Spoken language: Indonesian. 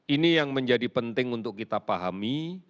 ini yang menjadi penting untuk kita pahami